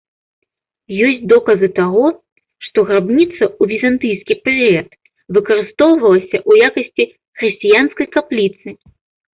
Ёсць доказы таго, што грабніца ў візантыйскі перыяд выкарыстоўвалася ў якасці хрысціянскай капліцы.